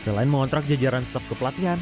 selain mengontrak jajaran staf kepelatihan